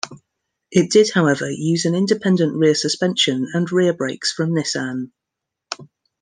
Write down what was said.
It did however use an independent rear suspension and rear brakes from Nissan.